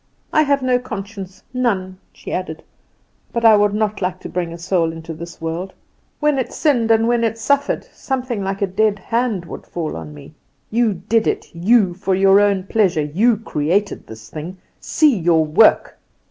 "I have no conscience, none," she added; "but I would not like to bring a soul into this world. When it sinned and when it suffered something like a dead hand would fall on me 'You did it, you, for your own pleasure you created this thing! See your work!